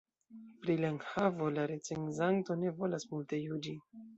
Pri la enhavo la recenzanto ne volas multe juĝi.